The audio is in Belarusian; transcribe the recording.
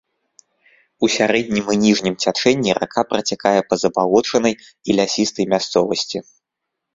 У сярэднім і ніжнім цячэнні рака працякае па забалочанай і лясістай мясцовасці.